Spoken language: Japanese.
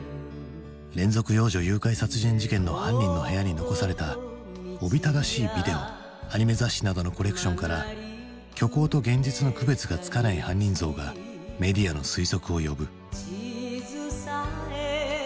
連続幼女誘拐殺人事件の犯人の部屋に残されたおびただしいビデオアニメ雑誌などのコレクションから虚構と現実の区別がつかない犯人像がメディアの推測を呼ぶ。